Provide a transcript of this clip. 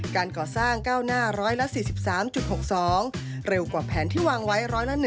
การก่อสร้างก้าวหน้า๑๔๓๖๒เร็วกว่าแผนที่วางไว้๑๐๑